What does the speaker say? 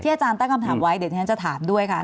อาจารย์ตั้งคำถามไว้เดี๋ยวที่ฉันจะถามด้วยค่ะ